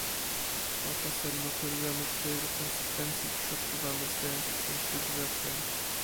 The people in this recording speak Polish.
Oto sedno problemu, którego konsekwencje dziś odczuwamy, stojąc w punkcie zwrotnym